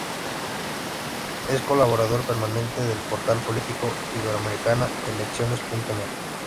Es colaborador permanente del portal político iberoamericano e-lecciones.net